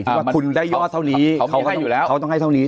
ที่ว่าคุณได้ยอดเท่านี้เขาต้องให้เท่านี้